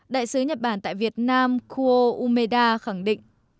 đại sứ nhật bản tại việt nam ko umeda khẳng định